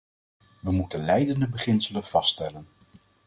We moeten leidende beginselen vaststellen.